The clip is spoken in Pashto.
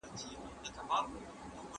کله باید د ارامتیا لپاره ښکلي غږونه واورو؟